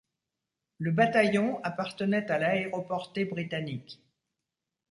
Le bataillon appartenait à la aéroportée britannique.